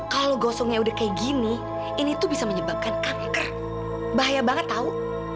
kalau gosongnya udah kayak gini ini tuh bisa menyebabkan kanker bahaya banget tahu